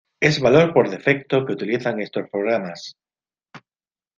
Es valor por defecto que utilizan estos programas